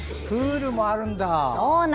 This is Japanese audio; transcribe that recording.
プールもあるんだ。